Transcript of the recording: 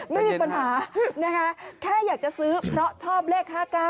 ไม่มีปัญหานะคะแค่อยากจะซื้อเพราะชอบเลข๕๙